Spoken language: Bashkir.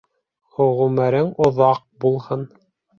Ғүмерең оҙаҡ булһын.